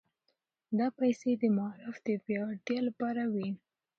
دا پيسې د معارف د پياوړتيا لپاره وې.